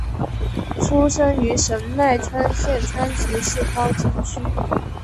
出生于神奈川县川崎市高津区。